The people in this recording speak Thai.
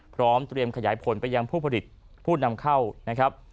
พร้อมเตรียมขยายผลไปยังผู้ผลิตผู้นำเข้านะครับ